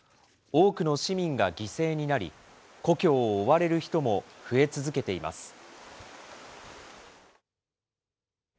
多くの市民が犠牲になり、故郷を追われる人も増え続けています。